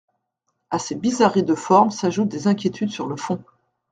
À ces bizarreries de forme s’ajoutent des inquiétudes sur le fond.